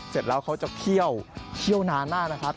เสร็จแล้วเขาจะเคี่ยวเคี่ยวนานหน้านะครับ